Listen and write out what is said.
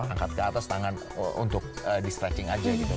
angkat ke atas tangan untuk di stretching aja gitu